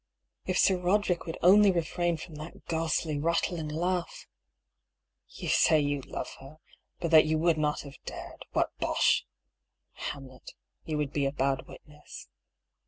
If Sir Roderick would only refrain from that ghastly, rattling laugh !" You say you love her, but that you would not have dared — what bosh! Hamlet, you would be a bad wit ness.